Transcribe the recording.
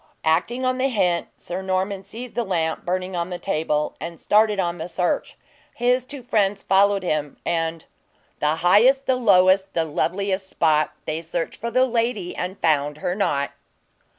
Acting on the hint, Sir Norman seized the lamp burning on the table, and started on the search. His two friends followed him, and "The highest, the lowest, the loveliest spot, They searched for the lady, and found her not."